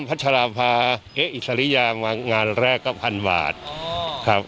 พัชราภาเอ๊ะอิสริยามางานแรกก็พันบาทครับ